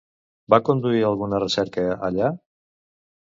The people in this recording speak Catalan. Va conduir alguna recerca, allà?